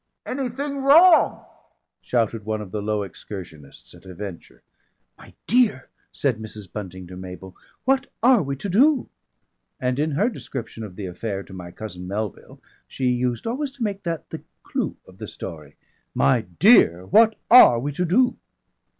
"Anything wrong?" shouted one of the Low Excursionists at a venture. "My dear!" said Mrs. Bunting to Mabel, "what are we to do?" And in her description of the affair to my cousin Melville she used always to make that the clou of the story. "My DEAR! What ARE we to do?"